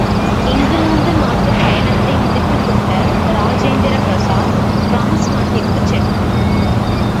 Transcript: இங்கிலாந்து நாட்டுப் பயணத்தை முடித்துக் கொண்ட ராஜேந்திர பிரசாத் பிரான்ஸ் நாட்டிற்குச் சென்றார்.